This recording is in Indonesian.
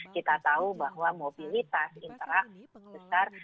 kita tahu bahwa mobilitas interaksi besar